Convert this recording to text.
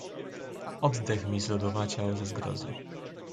"Oddech mi zlodowaciał ze zgrozy."